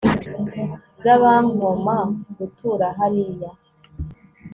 zabankoma gutura, hariya